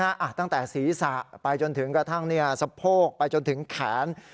ตั้งแต่ศีรษะไปจนถึงกระทั่งสะโพกไปจนถึงแขน